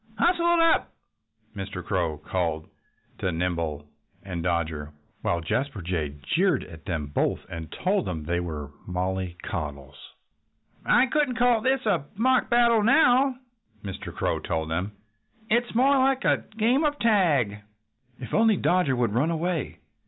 "Hustle it up!" Mr. Crow called to Nimble and Dodger, while Jasper Jay jeered at them both and told them they were mollycoddles. "I shouldn't call this a mock battle now," Mr. Crow told them. "It's more like a game of tag." "If only Dodger would run away!"